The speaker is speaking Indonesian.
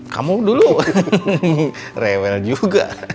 kamu dulu rewel juga